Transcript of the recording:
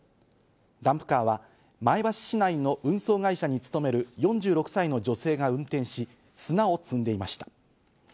ダンプカーは前橋市内の運送会社に勤める４６歳の女性が運転し、砂を積んでいました。